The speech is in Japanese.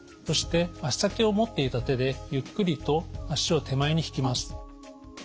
そして足先を持っていた手でゆっくりと足を手前に引きます。